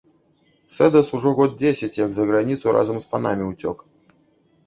Сэдас ужо год дзесяць, як за граніцу разам з панамі ўцёк.